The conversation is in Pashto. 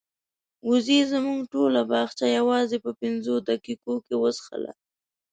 وزې زموږ ټوله باغچه یوازې په پنځو دقیقو کې وڅښله.